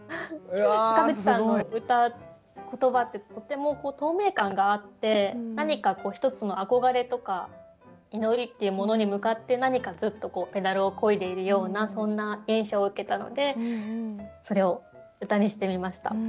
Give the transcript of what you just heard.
坂口さんの歌言葉ってとても透明感があって一つの憧れとか祈りっていうものに向かって何かずっとペダルをこいでいるようなそんな印象を受けたのでそれを歌にしてみました。